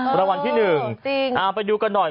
ประวัติที่๑เอาไปดูกันหน่อย